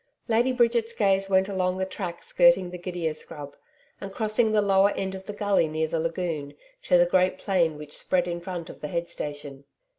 Lady Bridget's gaze went along a track skirting the gidia scrub, and crossing the lower end of the gully near the lagoon, to the great plain which spread in front of the head station.